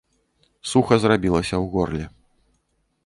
Суха зрабілася ў горле.